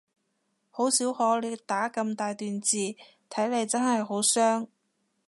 好少可你打咁大段字，睇嚟真係好傷